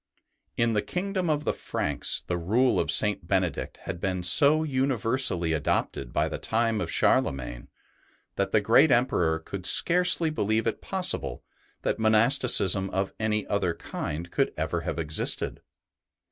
In the kingdom of the Franks the Rule of St. Benedict had been so universally adopted by the time of Charlemagne, that the great Emperor could scarcely believe it possible that monasticism of any other kind could ever have existed.